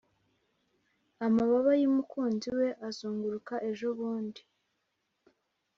amababa yumukunzi we azunguruka ejo bundi,